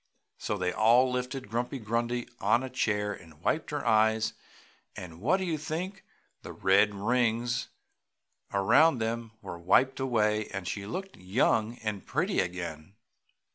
So they all lifted Grumpy Grundy on a chair and wiped her eyes and what do you think! the red rings around them were wiped away and she looked young and pretty again.